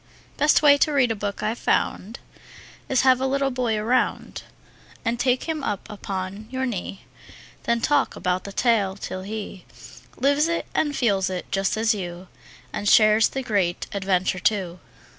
Best way to read a book I've found Is have a little boy around And take him up upon your knee; Then talk about the tale, till he Lives it and feels it, just as you, And shares the great adventure, too.